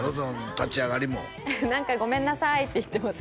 立ち上がりも「何かごめんなさい」って言ってます